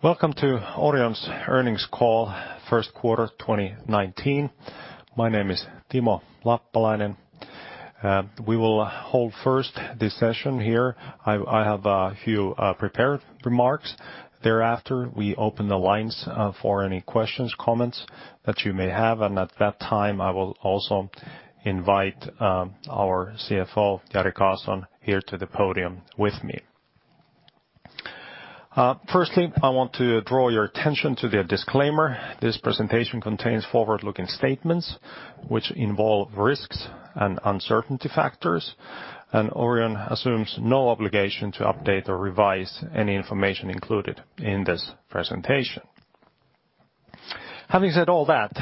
Welcome to Orion's earnings call, first quarter 2019. My name is Timo Lappalainen. We will hold first this session here. I have a few prepared remarks. Thereafter, we open the lines for any questions, comments that you may have. At that time, I will also invite our CFO, Jari Karlson, here to the podium with me. Firstly, I want to draw your attention to the disclaimer. This presentation contains forward-looking statements which involve risks and uncertainty factors. Orion assumes no obligation to update or revise any information included in this presentation. Having said all that,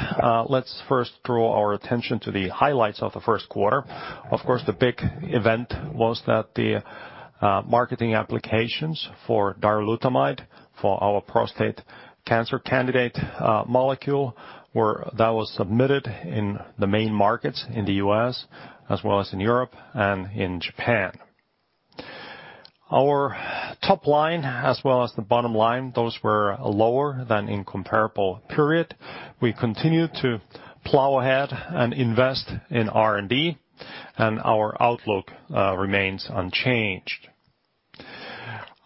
let's first draw our attention to the highlights of the first quarter. Of course, the big event was that the marketing applications for darolutamide, for our prostate cancer candidate molecule, that was submitted in the main markets in the U.S., as well as in Europe and in Japan. Our top line as well as the bottom line, those were lower than in comparable period. We continued to plow ahead and invest in R&D. Our outlook remains unchanged.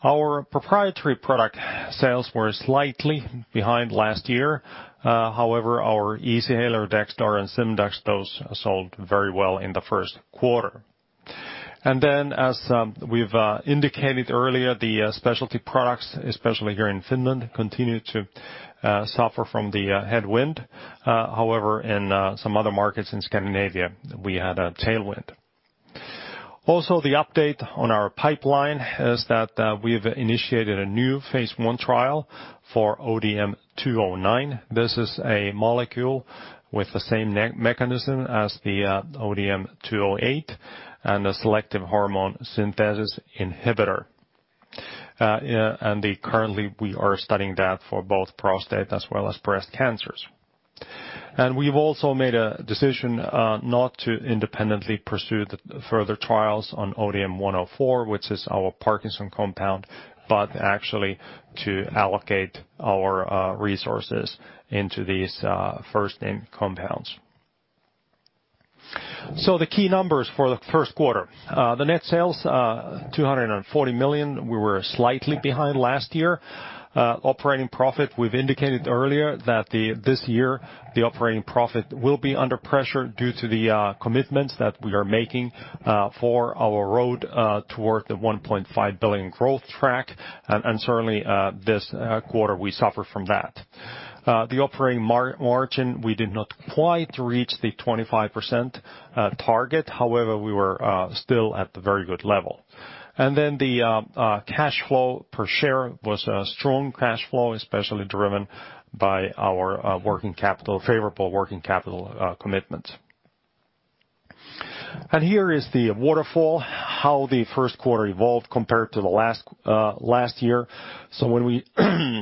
Our proprietary product sales were slightly behind last year. However, our Easyhaler, Dexdor and Simdax, those sold very well in the first quarter. As we've indicated earlier, the specialty products, especially here in Finland, continued to suffer from the headwind. However, in some other markets in Scandinavia, we had a tailwind. The update on our pipeline is that we've initiated a new phase I trial for ODM 209. This is a molecule with the same mechanism as the ODM 208 and a selective hormone synthesis inhibitor. Currently, we are studying that for both prostate as well as breast cancers. We've also made a decision not to independently pursue the further trials on ODM 104, which is our Parkinson's compound, but actually to allocate our resources into these first in compounds. The key numbers for the first quarter. The net sales, 240 million. We were slightly behind last year. Operating profit, we've indicated earlier that this year, the operating profit will be under pressure due to the commitments that we are making for our road toward the 1.5 billion growth track, certainly this quarter we suffer from that. The operating margin, we did not quite reach the 25% target. However, we were still at the very good level. The cash flow per share was a strong cash flow, especially driven by our favorable working capital commitments. Here is the waterfall, how the first quarter evolved compared to the last year. When we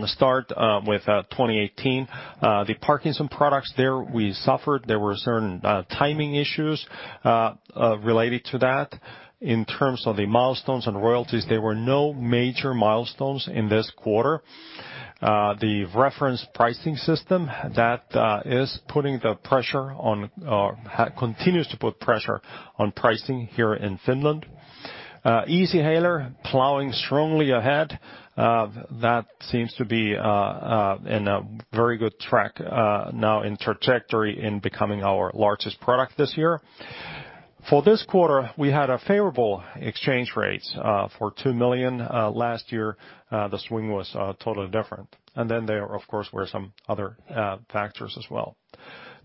start with 2018, the Parkinson's products there, we suffered. There were certain timing issues related to that. In terms of the milestones and royalties, there were no major milestones in this quarter. The reference pricing system that continues to put pressure on pricing here in Finland. Easyhaler plowing strongly ahead. That seems to be in a very good track now in trajectory in becoming our largest product this year. For this quarter, we had a favorable exchange rates for 2 million. Last year, the swing was totally different. There, of course, were some other factors as well.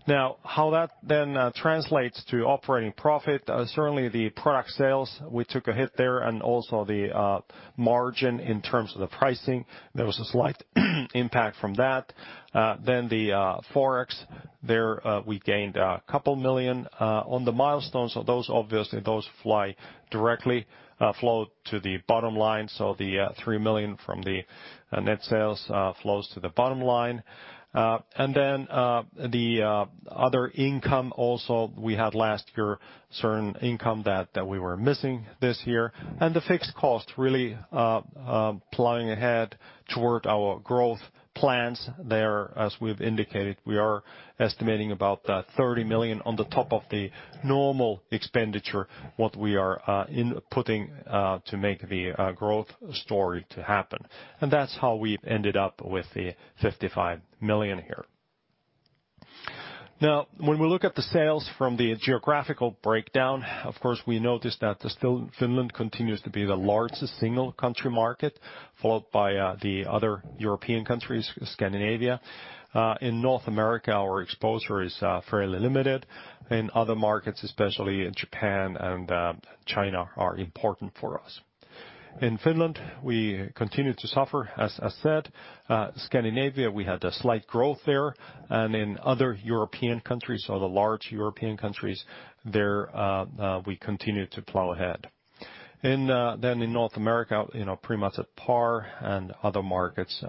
How that then translates to operating profit, certainly the product sales, we took a hit there. Also the margin in terms of the pricing, there was a slight impact from that. The Forex, there we gained EUR couple million on the milestones. Those obviously fly directly flow to the bottom line, so the 3 million from the net sales flows to the bottom line. The other income also, we had last year certain income that we were missing this year. The fixed cost really plowing ahead toward our growth plans there. As we've indicated, we are estimating about 30 million on the top of the normal expenditure, what we are inputting to make the growth story to happen. That's how we've ended up with the 55 million here. When we look at the sales from the geographical breakdown, of course, we notice that Finland continues to be the largest single country market, followed by the other European countries, Scandinavia. In North America, our exposure is fairly limited. In other markets, especially in Japan and China, are important for us. In Finland, we continue to suffer, as I said. Scandinavia, we had a slight growth there, and in other European countries or the large European countries, there we continue to plow ahead. In North America, pretty much at par and other markets,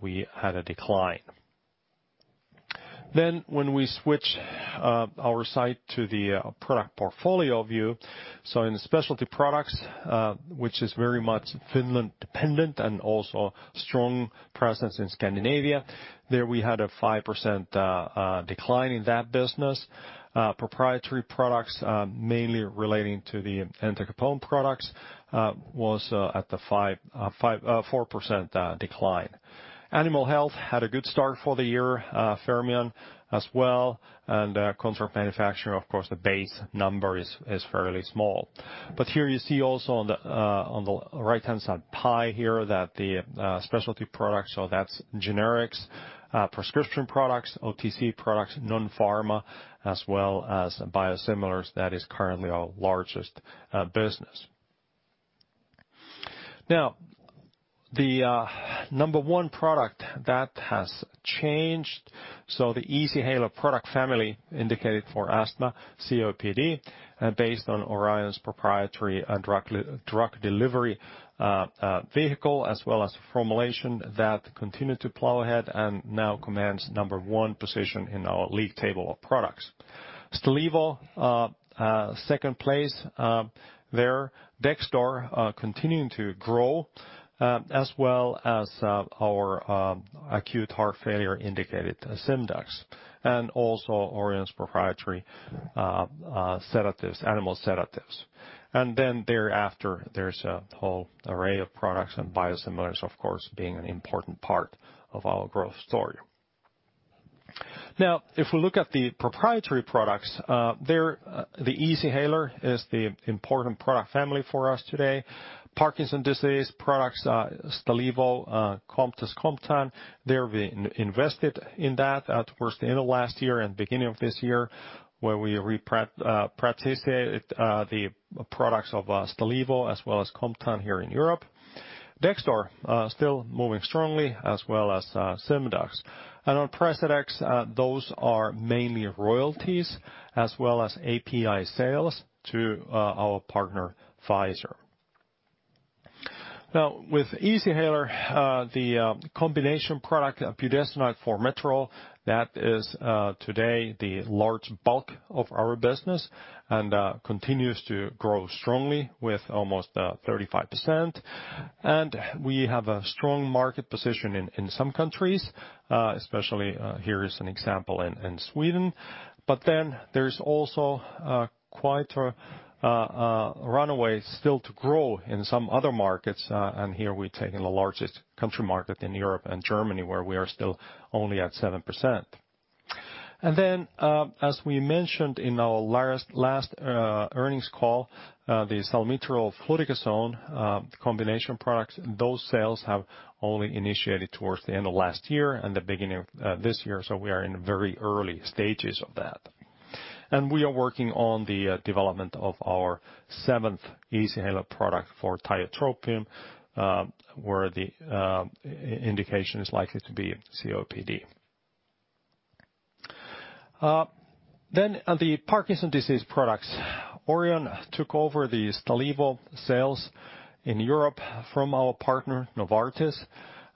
we had a decline. When we switch our site to the product portfolio view. In specialty products, which is very much Finland dependent and also strong presence in Scandinavia, there we had a 5% decline in that business. Proprietary products, mainly relating to the entacapone products, was at the 4% decline. Animal health had a good start for the year, Fermion as well, and contract manufacturing, of course, the base number is fairly small. Here you see also on the right-hand side pie here that the specialty products, so that's generics, prescription products, OTC products, non-pharma, as well as biosimilars, that is currently our largest business. The number one product that has changed. The Easyhaler product family indicated for asthma, COPD, based on Orion's proprietary drug delivery vehicle as well as formulation that continued to plow ahead and now commands number one position in our league table of products. Stalevo second place there. Dexdor continuing to grow, as well as our acute heart failure indicated Simdax, and also Orion's proprietary animal sedatives. Thereafter, there's a whole array of products and biosimilars, of course, being an important part of our growth story. If we look at the proprietary products, there the Easyhaler is the important product family for us today. Parkinson's disease products, Stalevo, Comtess, Comtan, they're being invested in that towards the end of last year and beginning of this year, where we participated the products of Stalevo as well as Comtan here in Europe. Dexdor still moving strongly as well as Simdax. On PRECEDEX, those are mainly royalties as well as API sales to our partner, Pfizer. With Easyhaler, the combination product, budesonide-formoterol, that is today the large bulk of our business and continues to grow strongly with almost 35%. We have a strong market position in some countries, especially here is an example in Sweden. There is also quite a runaway still to grow in some other markets. Here we're taking the largest country market in Europe and Germany, where we are still only at 7%. As we mentioned in our last earnings call, the salmeterol-fluticasone combination products, those sales have only initiated towards the end of last year and the beginning of this year. We are in very early stages of that. We are working on the development of our seventh Easyhaler product for tiotropium, where the indication is likely to be COPD. The Parkinson's disease products. Orion took over the Stalevo sales in Europe from our partner, Novartis,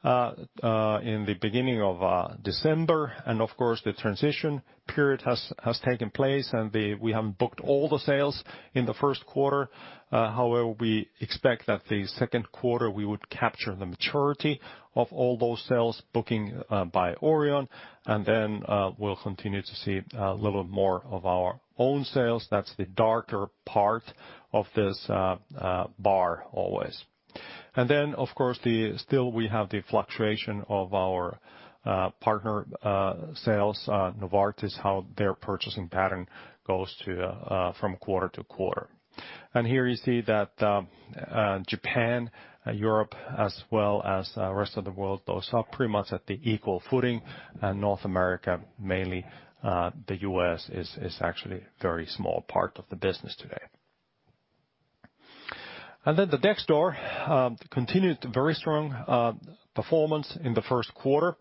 in the beginning of December, and of course, the transition period has taken place and we haven't booked all the sales in the first quarter. However, we expect that the second quarter, we would capture the majority of all those sales booking by Orion, and then we'll continue to see a little bit more of our own sales. That's the darker part of this bar always. Of course, still we have the fluctuation of our partner sales, Novartis, how their purchasing pattern goes from quarter to quarter. Here you see that Japan, Europe, as well as rest of the world, those are pretty much at the equal footing, and North America, mainly the U.S., is actually very small part of the business today. The Dexdor continued very strong performance in the first quarter.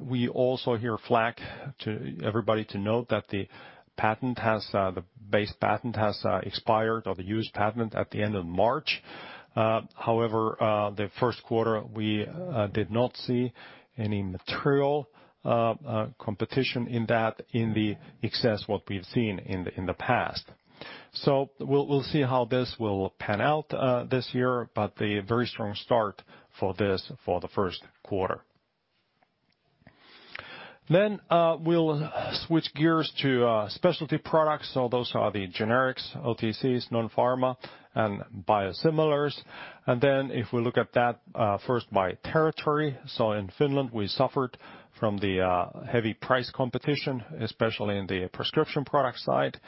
We also hear flak to everybody to note that the base patent has expired or the use patent at the end of March. However, the first quarter, we did not see any material competition in that in the excess what we've seen in the past. We'll see how this will pan out this year, but a very strong start for this for the first quarter. We'll switch gears to specialty products. Those are the generics, OTCs, non-pharma, and biosimilars. If we look at that first by territory. In Finland, we suffered from the heavy price competition, especially in the prescription product side.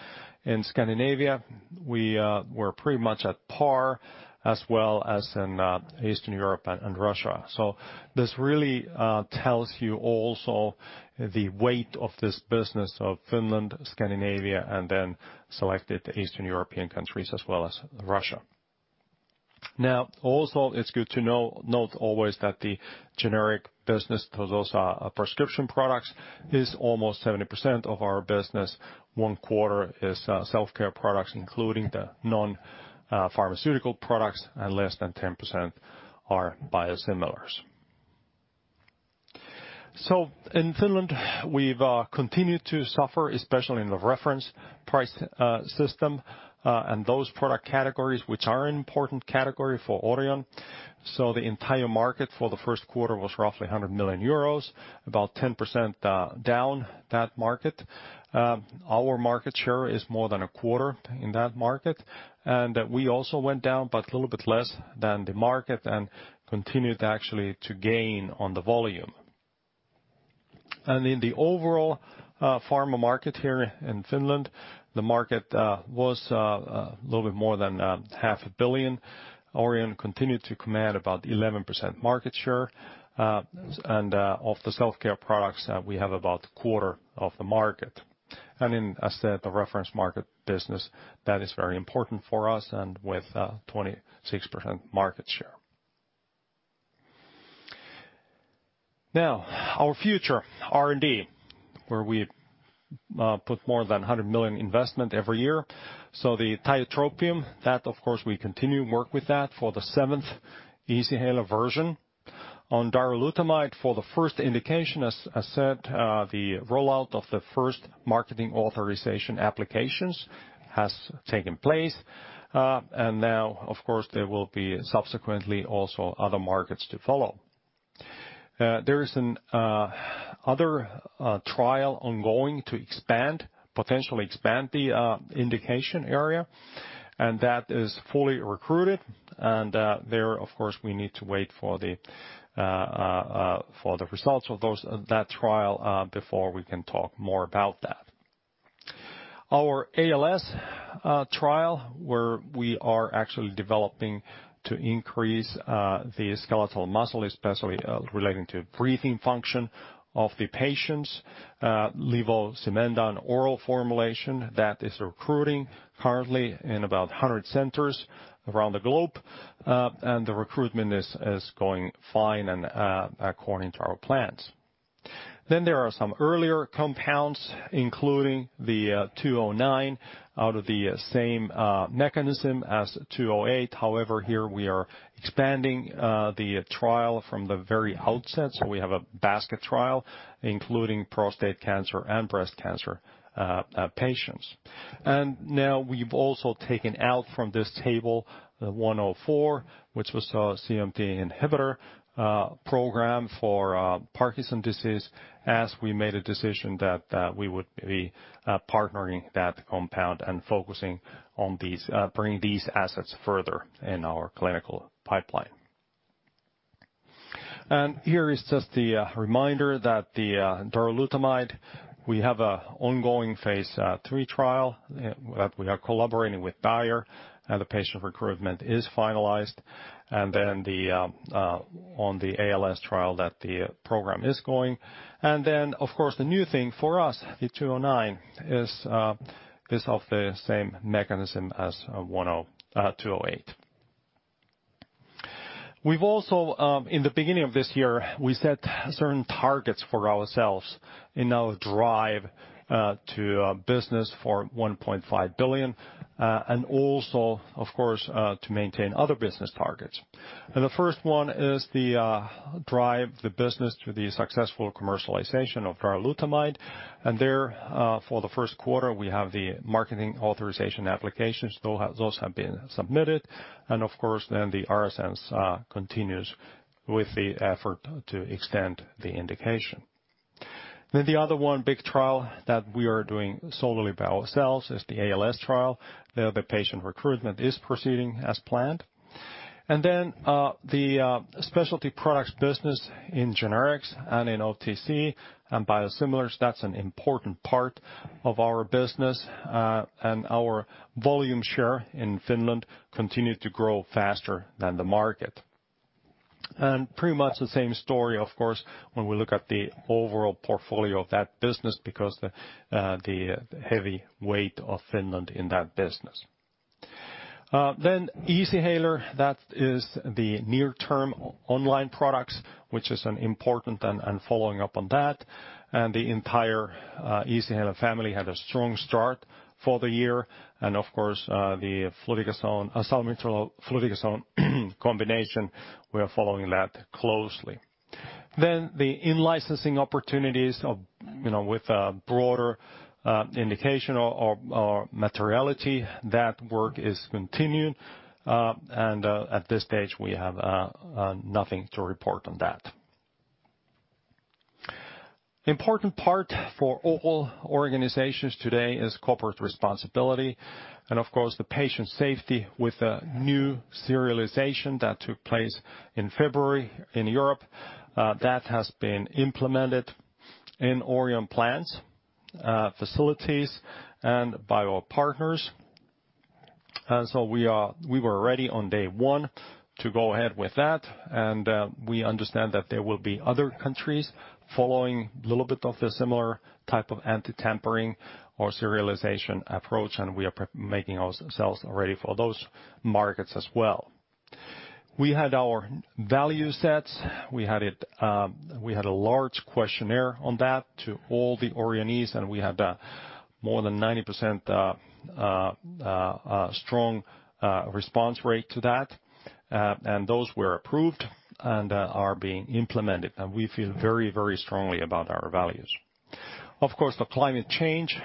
In Scandinavia, we were pretty much at par as well as in Eastern Europe and Russia. This really tells you also the weight of this business of Finland, Scandinavia, and selected Eastern European countries as well as Russia. Also it's good to note always that the generic business, those are prescription products, is almost 70% of our business. One quarter is self-care products, including the non-pharmaceutical products, and less than 10% are biosimilars. So in Finland, we've continued to suffer, especially in the reference pricing system, and those product categories, which are an important category for Orion. The entire market for the first quarter was roughly 100 million euros, about 10% down that market. Our market share is more than a quarter in that market, and we also went down, but a little bit less than the market and continued actually to gain on the volume. In the overall pharma market here in Finland, the market was a little bit more than half a billion. Orion continued to command about 11% market share. Of the self-care products, we have about a quarter of the market. As I said, the reference market business, that is very important for us and with 26% market share. Our future, R&D, where we put more than 100 million investment every year. The tiotropium, that, of course, we continue to work with that for the seventh Easyhaler version. On darolutamide for the first indication, as I said, the rollout of the first marketing authorization applications has taken place. Now, of course, there will be subsequently also other markets to follow. There is another trial ongoing to potentially expand the indication area, and that is fully recruited. There, of course, we need to wait for the results of that trial before we can talk more about that. Our ALS trial, where we are actually developing to increase the skeletal muscle, especially relating to breathing function of the patients. levosimendan oral formulation, that is recruiting currently in about 100 centers around the globe, and the recruitment is going fine and according to our plans. There are some earlier compounds, including the 209 out of the same mechanism as 208. However, here we are expanding the trial from the very outset, so we have a basket trial, including prostate cancer and breast cancer patients. Now we've also taken out from this table the 104, which was a COMT inhibitor program for Parkinson's disease, as we made a decision that we would be partnering that compound and focusing on bringing these assets further in our clinical pipeline. Here is just the reminder that the darolutamide, we have an ongoing phase III trial that we are collaborating with Bayer, and the patient recruitment is finalized. On the ALS trial that the program is going. Of course, the new thing for us, the 209, is of the same mechanism as 208. In the beginning of this year, we set certain targets for ourselves in our drive to business for 1.5 billion and also, of course, to maintain other business targets. The first one is the drive the business through the successful commercialization of darolutamide. There, for the first quarter, we have the marketing authorization applications. Those have been submitted. Of course, then the [RSNs] continues with the effort to extend the indication. The other one big trial that we are doing solely by ourselves is the ALS trial. The patient recruitment is proceeding as planned. The specialty products business in generics and in OTC and biosimilars, that's an important part of our business, and our volume share in Finland continued to grow faster than the market. Pretty much the same story, of course, when we look at the overall portfolio of that business, because the heavy weight of Finland in that business. Easyhaler, that is the near-term online products, which is important and following up on that. The entire Easyhaler family had a strong start for the year. Of course, the salmeterol-fluticasone combination, we are following that closely. The in-licensing opportunities with a broader indication or materiality, that work is continuing, and at this stage, we have nothing to report on that. Important part for all organizations today is corporate responsibility. Of course, the patient safety with the new serialization that took place in February in Europe. That has been implemented in Orion plants, facilities, and by our partners. We were ready on day one to go ahead with that, and we understand that there will be other countries following a little bit of a similar type of anti-tampering or serialization approach, and we are making ourselves ready for those markets as well. We had our value sets. We had a large questionnaire on that to all the Orionees, and we had more than 90% strong response rate to that, and those were approved and are being implemented. We feel very strongly about our values. Of course, the climate change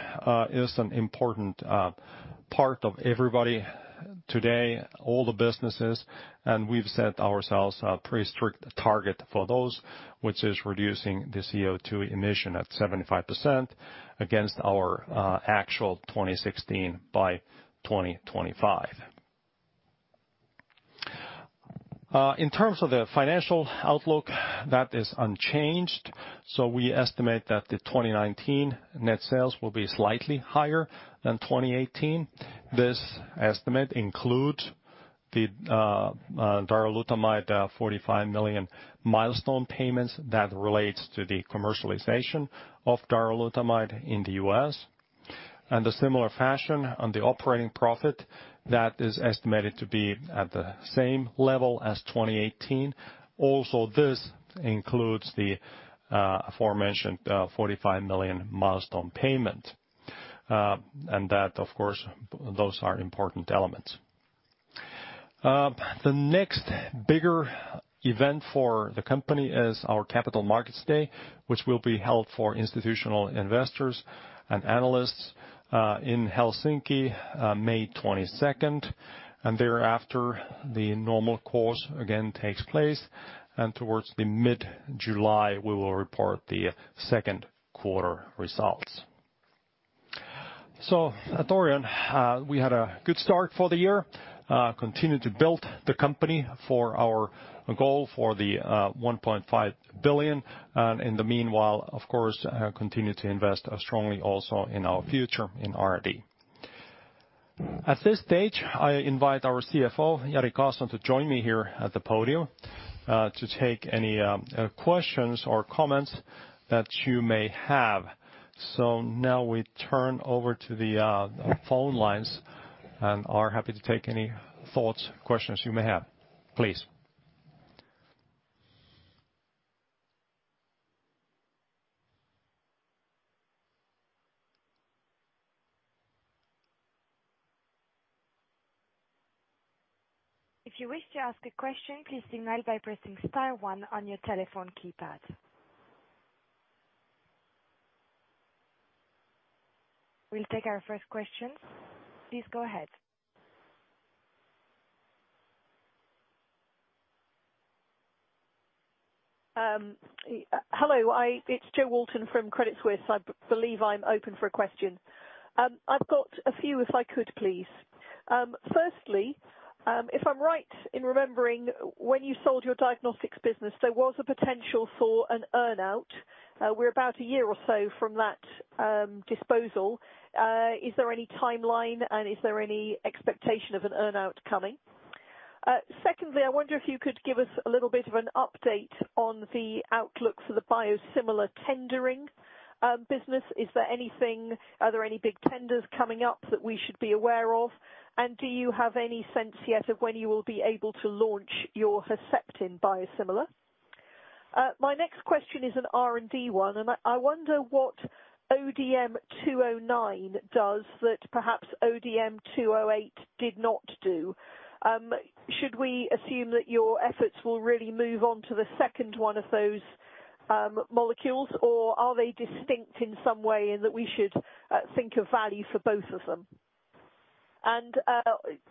is an important part of everybody today, all the businesses, and we've set ourselves a pretty strict target for those, which is reducing the CO2 emission at 75% against our actual 2016 by 2025. In terms of the financial outlook, that is unchanged. We estimate that the 2019 net sales will be slightly higher than 2018. This estimate includes the darolutamide, 45 million milestone payments that relates to the commercialization of darolutamide in the U.S. A similar fashion on the operating profit that is estimated to be at the same level as 2018. Also, this includes the aforementioned 45 million milestone payment. That, of course, those are important elements. The next bigger event for the company is our Capital Markets Day, which will be held for institutional investors and analysts in Helsinki, May 22nd, and thereafter, the normal course again takes place, and towards the mid-July, we will report the second quarter results. At Orion, we had a good start for the year, continue to build the company for our goal for the 1.5 billion. In the meanwhile, of course, continue to invest strongly also in our future in R&D. At this stage, I invite our CFO, Jari Karlson, to join me here at the podium to take any questions or comments that you may have. Now we turn over to the phone lines and are happy to take any thoughts, questions you may have. Please. If you wish to ask a question, please signal by pressing star one on your telephone keypad. We'll take our first question. Please go ahead. Hello, it's Jo Walton from Credit Suisse. I believe I'm open for a question. I've got a few if I could, please. Firstly, if I'm right in remembering when you sold your diagnostics business, there was a potential for an earn-out. We're about a year or so from that disposal. Is there any timeline and is there any expectation of an earn-out coming? Secondly, I wonder if you could give us a little bit of an update on the outlook for the biosimilar tendering business. Are there any big tenders coming up that we should be aware of? Do you have any sense yet of when you will be able to launch your Herceptin biosimilar? My next question is an R&D one. I wonder what ODM-209 does that perhaps ODM-208 did not do. Should we assume that your efforts will really move on to the second one of those molecules, or are they distinct in some way in that we should think of value for both of them?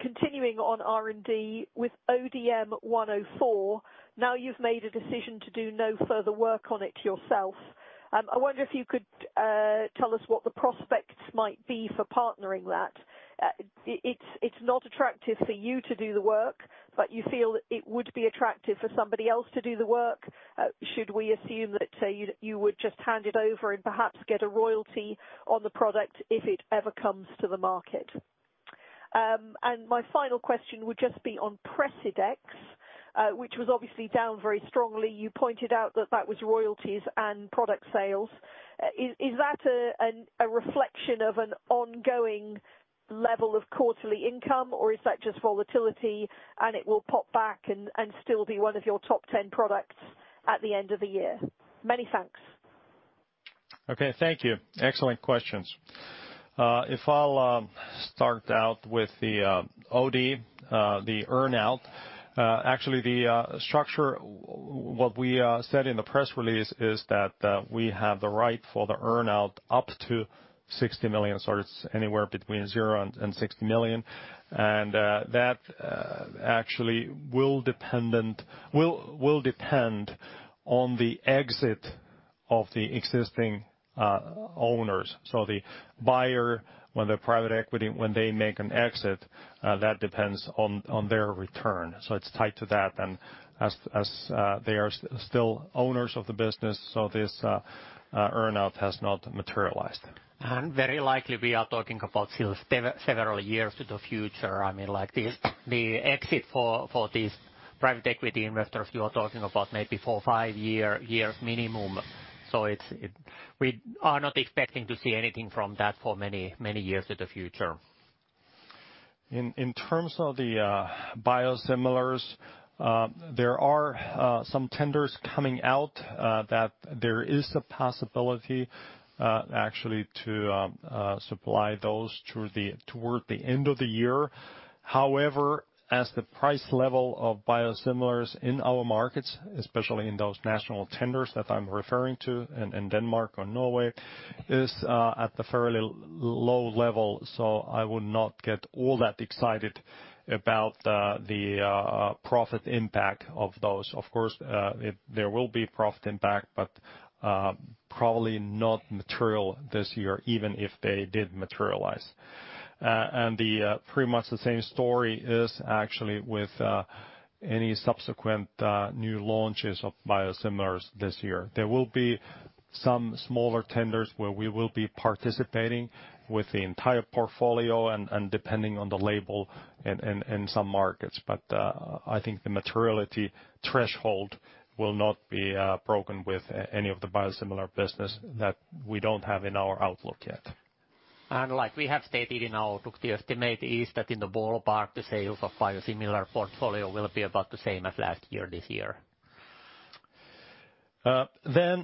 Continuing on R&D with ODM-104, now you've made a decision to do no further work on it yourself. I wonder if you could tell us what the prospects might be for partnering that. It's not attractive for you to do the work. You feel it would be attractive for somebody else to do the work. Should we assume that you would just hand it over and perhaps get a royalty on the product if it ever comes to the market? My final question would just be on PRECEDEX, which was obviously down very strongly. You pointed out that that was royalties and product sales. Is that a reflection of an ongoing level of quarterly income, or is that just volatility and it will pop back and still be one of your top 10 products at the end of the year? Many thanks. Okay. Thank you. Excellent questions. I'll start out with the earn-out. Actually, the structure, what we said in the press release is that we have the right for the earn-out up to 60 million. It's anywhere between zero and 60 million. That actually will depend on the exit of the existing owners. The buyer, when they make an exit, that depends on their return. It's tied to that. As they are still owners of the business, this earn-out has not materialized. Very likely we are talking about still several years to the future. I mean, like the exit for these private equity investors, you are talking about maybe four or five years minimum. We are not expecting to see anything from that for many years to the future. In terms of the biosimilars, there are some tenders coming out that there is a possibility actually to supply those toward the end of the year. However, as the price level of biosimilars in our markets, especially in those national tenders that I am referring to in Denmark or Norway, is at the fairly low level. I would not get all that excited about the profit impact of those. Of course, there will be profit impact, but probably not material this year, even if they did materialize. Pretty much the same story is actually with any subsequent new launches of biosimilars this year. There will be some smaller tenders where we will be participating with the entire portfolio and depending on the label in some markets. I think the materiality threshold will not be broken with any of the biosimilar business that we don't have in our outlook yet. Like we have stated in our outlook, the estimate is that in the ballpark, the sales of biosimilar portfolio will be about the same as last year, this year. On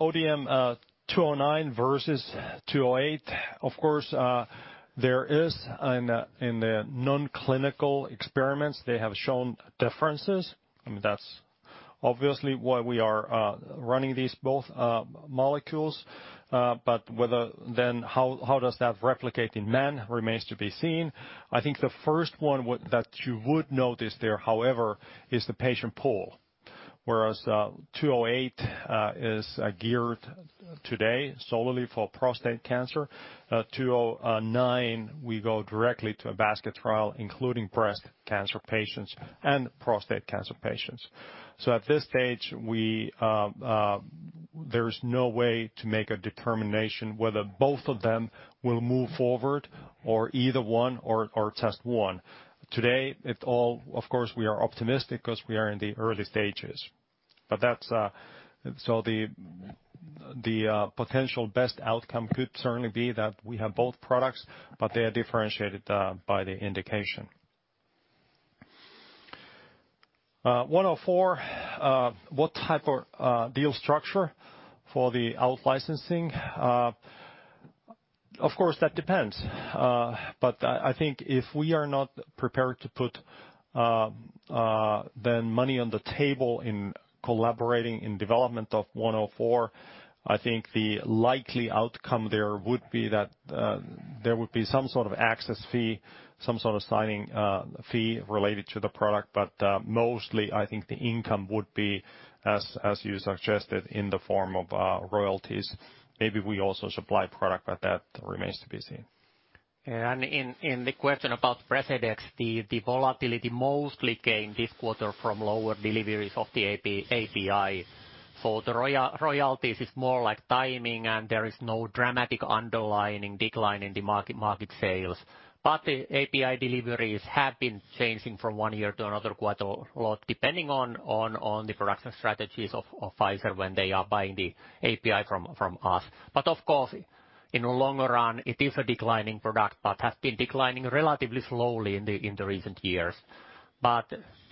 ODM-209 versus 208, of course, there is in the non-clinical experiments, they have shown differences. That's obviously why we are running these both molecules. Whether how does that replicate in men remains to be seen. I think the first one that you would notice there, however, is the patient pool. Whereas 208 is geared today solely for prostate cancer, 209, we go directly to a basket trial, including breast cancer patients and prostate cancer patients. At this stage, there's no way to make a determination whether both of them will move forward or either one or test one. Today, of course, we are optimistic because we are in the early stages. The potential best outcome could certainly be that we have both products, but they are differentiated by the indication. 104, what type of deal structure for the out licensing? Of course, that depends. I think if we are not prepared to put the money on the table in collaborating in development of 104, I think the likely outcome there would be that there would be some sort of access fee, some sort of signing fee related to the product. Mostly, I think the income would be, as you suggested, in the form of royalties. Maybe we also supply product, but that remains to be seen. In the question about PRECEDEX, the volatility mostly came this quarter from lower deliveries of the API. The royalties is more like timing, and there is no dramatic underlying decline in the market sales. The API deliveries have been changing from one year to another quite a lot, depending on the production strategies of Pfizer when they are buying the API from us. Of course, in the longer run, it is a declining product, but has been declining relatively slowly in the recent years.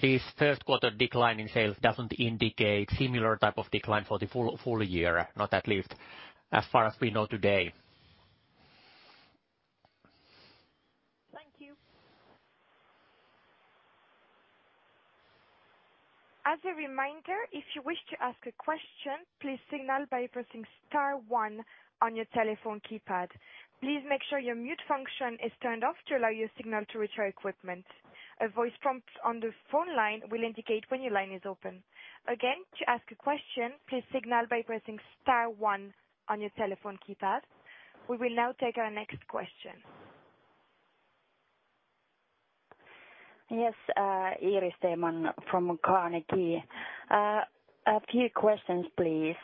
This first quarter decline in sales doesn't indicate similar type of decline for the full year, not at least as far as we know today. Thank you. As a reminder, if you wish to ask a question, please signal by pressing star one on your telephone keypad. Please make sure your mute function is turned off to allow your signal to reach our equipment. A voice prompt on the phone line will indicate when your line is open. Again, to ask a question, please signal by pressing star one on your telephone keypad. We will now take our next question. Yes, Iiris Theman from Carnegie. A few questions, please.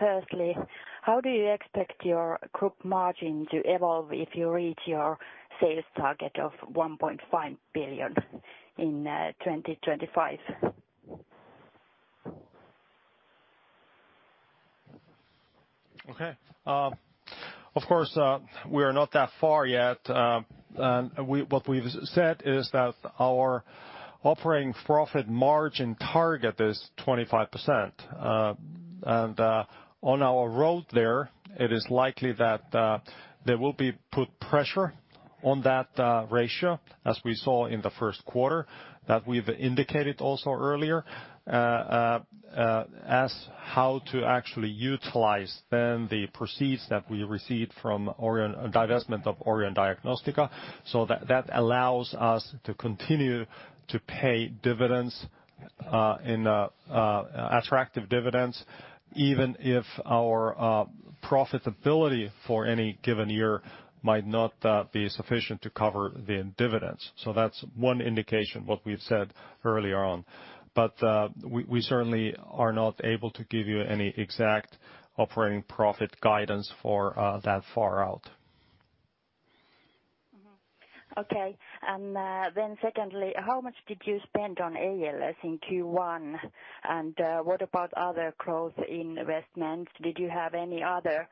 Firstly, how do you expect your group margin to evolve if you reach your sales target of 1.5 billion in 2025? Okay. Of course, we are not that far yet. What we've said is that our operating profit margin target is 25%. On our road there, it is likely that there will be put pressure on that ratio, as we saw in the first quarter, that we've indicated also earlier as how to actually utilize then the proceeds that we received from divestment of Orion Diagnostica. That allows us to continue to pay attractive dividends, even if our profitability for any given year might not be sufficient to cover the dividends. That's one indication, what we've said earlier on. We certainly are not able to give you any exact operating profit guidance for that far out. Okay. Then secondly, how much did you spend on ALS in Q1? What about other growth investments? Did you have any other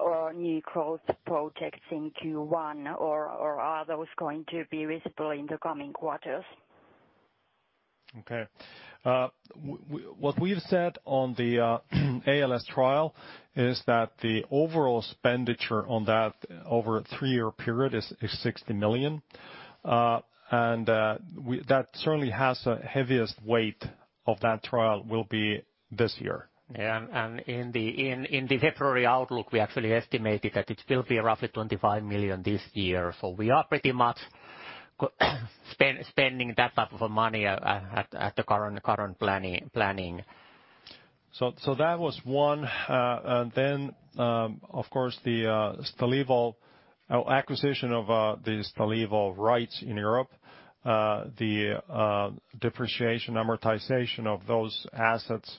or new growth projects in Q1, or are those going to be visible in the coming quarters? Okay. What we've said on the ALS trial is that the overall expenditure on that over a three-year period is 60 million. That certainly has the heaviest weight of that trial will be this year. Yeah. In the February outlook, we actually estimated that it will be roughly 25 million this year. We are pretty much spending that type of money at the current planning. That was one. Of course, the acquisition of the Stalevo rights in Europe, the depreciation, amortization of those assets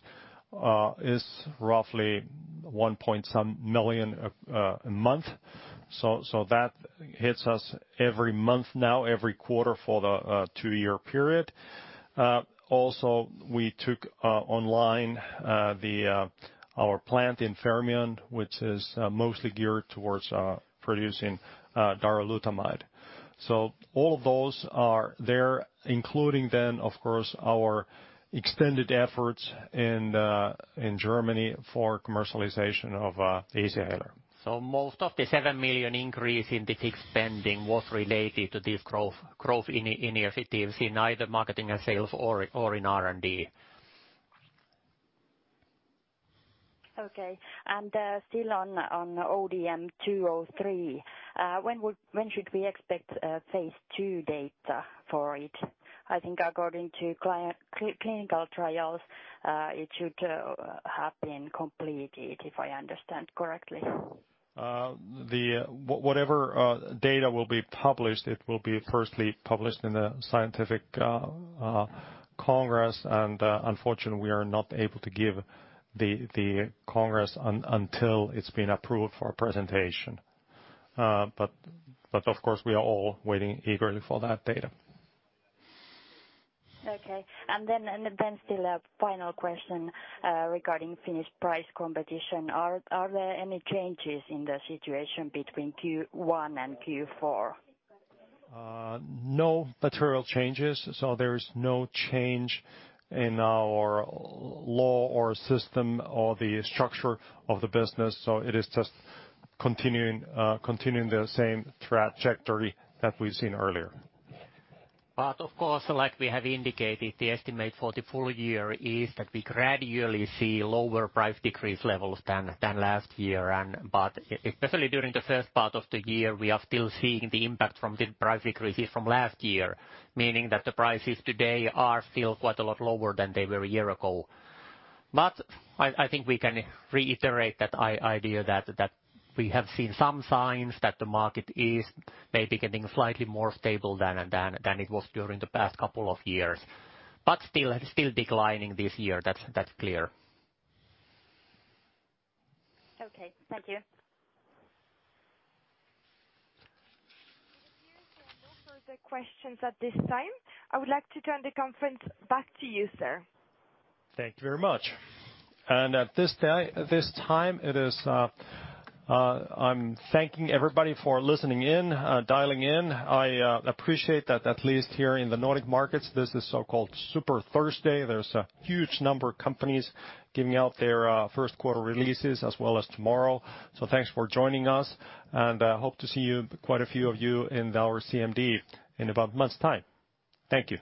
is roughly one point some million a month. That hits us every month now, every quarter for the two-year period. Also, we took online our plant in Fermion, which is mostly geared towards producing darolutamide. All of those are there, including then, of course, our extended efforts in Germany for commercialization of Azedra. Most of the 7 million increase in the fixed spending was related to this growth in effectiveness in either marketing and sales or in R&D. Okay. Still on ODM-203, when should we expect phase II data for it? I think according to clinical trials, it should have been completed, if I understand correctly. Whatever data will be published, it will be first published in the scientific congress. Unfortunately, we are not able to give the congress until it's been approved for presentation. Of course, we are all waiting eagerly for that data. Okay. Still a final question regarding Finnish price competition. Are there any changes in the situation between Q1 and Q4? No material changes, so there is no change in our law or system or the structure of the business. It is just continuing the same trajectory that we've seen earlier. Of course, like we have indicated, the estimate for the full year is that we gradually see lower price decrease levels than last year. Especially during the first part of the year, we are still seeing the impact from the price decreases from last year, meaning that the prices today are still quite a lot lower than they were a year ago. I think we can reiterate that idea that we have seen some signs that the market is maybe getting slightly more stable than it was during the past couple of years. Still declining this year, that's clear. Okay. Thank you. It appears there are no further questions at this time. I would like to turn the conference back to you, sir. Thank you very much. At this time, I'm thanking everybody for listening in, dialing in. I appreciate that at least here in the Nordic markets, this is so-called Super Thursday. There's a huge number of companies giving out their first-quarter releases as well as tomorrow. Thanks for joining us, and I hope to see quite a few of you in our CMD in about a month's time. Thank you.